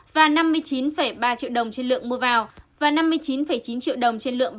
và năm mươi chín ba triệu đồng trên lượng mua vào